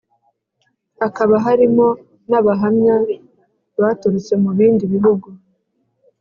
Hakaba harimo nabahamya baturutse mu bindi bihugu